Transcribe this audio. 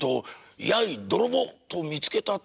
『やい泥棒』と見つけたつもり」。